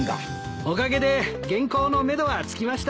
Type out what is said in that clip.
おかげで原稿のめどは付きました。